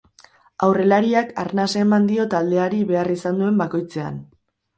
Aurrelariak arnasa eman dio taldeari behar izan duen bakoitzean.